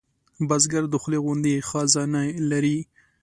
بزګر د خولې غوندې خزانې لري